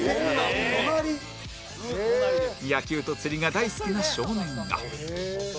野球と釣りが大好きな少年が